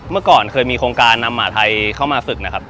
เมื่อก่อนเคยมีโครงการนำหมาไทยเข้ามาฝึกนะครับ